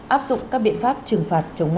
áp dụng các biện pháp trừng phạt chống nga